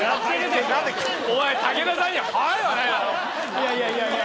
いやいやいやいや。